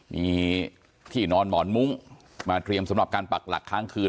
มีที่นอนหมอนมุ้งมาเตรียมสำหรับการปักหลักค้างคืน